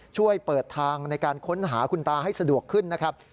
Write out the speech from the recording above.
ช่วยเปิดทางในการค้นหาคุณตาให้สะดวกขึ้นนะครับ